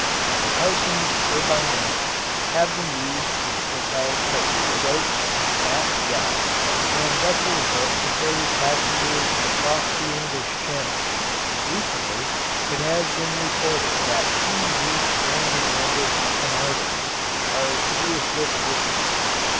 The Parsons turbine engines have been used to propel torpedo boats, fast yachts, and vessels built to carry passengers across the English Channel, and recently it has been reported that two new transatlantic Cunarders are to be equipped with them.